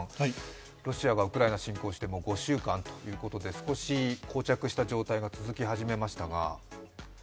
ロシアがウクライナに侵攻して、もう５週間ということで、少しこう着した状態が続き始めましたが。